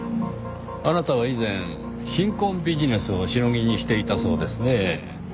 あなたは以前貧困ビジネスをしのぎにしていたそうですねぇ。